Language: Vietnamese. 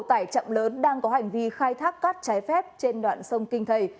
hai tàu tải chậm lớn đang có hành vi khai thác cát trái phép trên đoạn sông kinh thầy